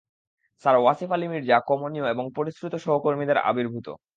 Sir Wasif Ali Mirza কমনীয় এবং পরিশ্রুত সহকর্মীদের আবির্ভূত।